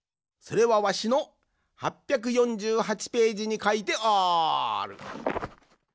それはわしの８４８ページにかいてある。